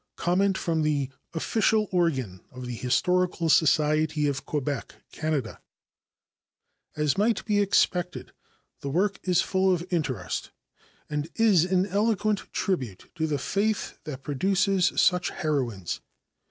Comment from the Official Organ of the Historical Society of Quebec, Canada. As might be expected, the work is full of interest, and is an eloquent tribute to the faith that produces such heroines.